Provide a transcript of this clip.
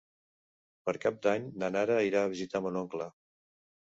Per Cap d'Any na Nara irà a visitar mon oncle.